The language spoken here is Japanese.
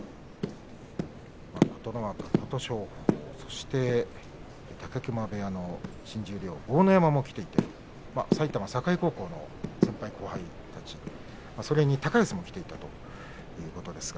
琴ノ若、琴勝峰そして武隈部屋の新十両豪ノ山も来ていて埼玉栄高校の先輩、後輩で高安も来ていたということです。